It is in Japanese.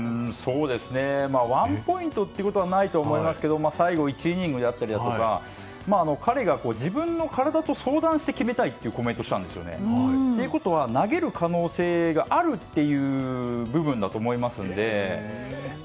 ワンポイントってことはないと思いますけど最後、１イニングであったり彼が、自分の体と相談して決めたいというコメントをしたんですよね。ということは投げる可能性があるっていう部分だと思いますので。